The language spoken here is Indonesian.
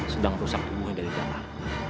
sedang merusak tubuhnya dari dalam